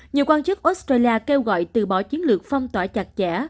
nhiều quan chức australia kêu gọi từ bỏ chiến lược phong tỏa chặt chẽ